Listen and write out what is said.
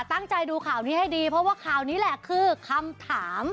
ตั้งใจดูข่าวนี้ให้ดีเพราะว่าข่าวนี้แหละคือคำถาม